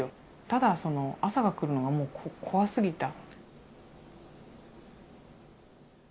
ただその朝が来るのがもう怖すぎた。